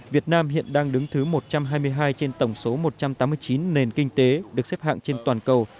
việt nam hiện đang đứng thứ một trăm hai mươi hai trên tổng số một trăm tám mươi chín nền kinh tế được xếp hạng trên toàn cầu